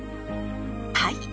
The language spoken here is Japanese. はい。